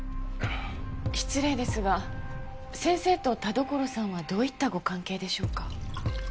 失礼ですが先生と田所さんはどういったご関係でしょうか？